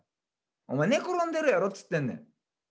お前寝転んでるやろっつってんねん。